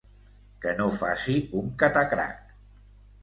Que no faci un catacrac!